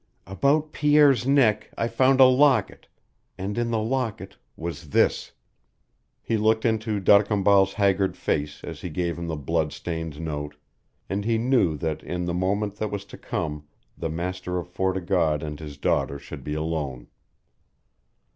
About Pierre's neck I found a locket, and in the locket was this " He looked into D'Arcambal's haggard face as he gave him the blood stained note, and he knew that in the moment that was to come the master of Fort o' God and his daughter should be alone.